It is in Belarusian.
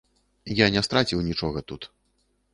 Я не страціў нічога тут.